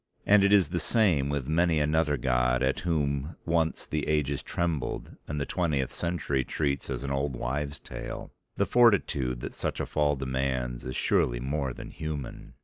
And it is the same with many another god at whom once the ages trembled and the twentieth century treats as an old wives' tale. The fortitude that such a fall demands is surely more than human.